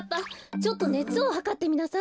ちょっとねつをはかってみなさい。